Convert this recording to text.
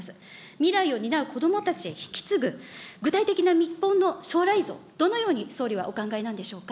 未来を担う子どもたちへ引き継ぐ、具体的な日本の将来像、どのように総理はお考えなんでしょうか。